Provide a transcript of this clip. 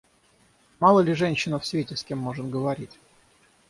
Мало ли женщина в свете с кем может говорить?